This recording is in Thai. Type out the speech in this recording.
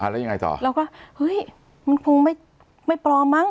แล้วยังไงต่อเราก็เฮ้ยมันคงไม่ปลอมมั้ง